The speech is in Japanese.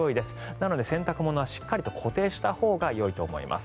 なので、洗濯物はしっかり固定したほうがよいと思います。